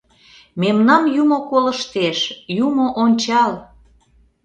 Мемнам юмо колыштеш, юмо ончал...